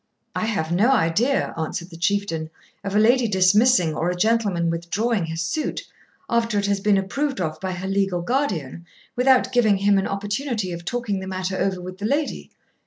'I have no idea,' answered the Chieftain, 'of a lady dismissing or a gentleman withdrawing his suit, after it has been approved of by her legal guardian, without giving him an opportunity of talking the matter over with the lady.